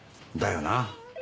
だよな。